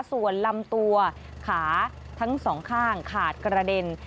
ส่วนลำตัวขาทั้งสองข้างขาดกระเด็น